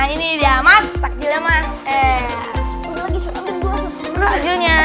ini pak takjilnya